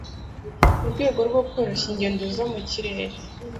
Mu rwego rwo koroshya ingendo zo mu kirere